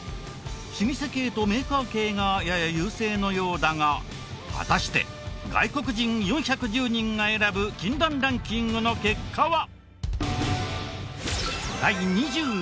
老舗系とメーカー系がやや優勢のようだが果たして外国人４１０人が選ぶ禁断ランキングの結果は。